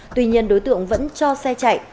tuy nhiên đối tượng vẫn cho xe chạy